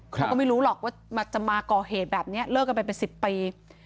เขาก็ไม่รู้หรอกว่าจะมาก่อเหตุแบบนี้เลิกกันไปเป็น๑๐ปี